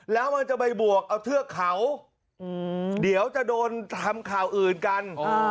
แล้วมันจะไปบวกเอาเทือกเขาเดี๋ยวจะโดนทำข่าวอื่นกัน